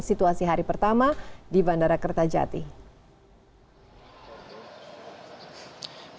situasi hari pertama di bandara kertajati